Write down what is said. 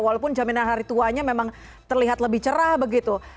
walaupun jaminan hari tuanya memang terlihat lebih cerah begitu